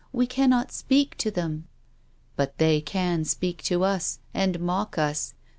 We cannot speak to them." " But they can speak to us and mock us.